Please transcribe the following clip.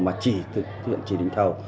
mà chỉ thực hiện chỉ định thầu